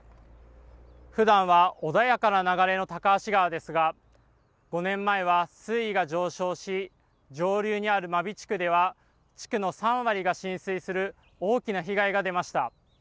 ふだんは穏やかな流れの高梁川ですが、５年前は水位が上昇し、上流にある真備地区では、地区の３割が浸水する大きな被害が出ました。